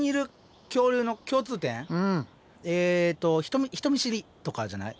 えと人見知りとかじゃない？